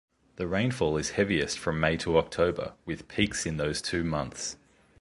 The rainfall is heaviest from May to October, with peaks in those two months.